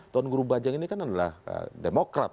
tuan guru bajang ini kan adalah demokrat